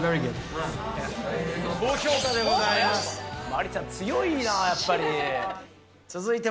麻里ちゃん、強いな、やっぱり。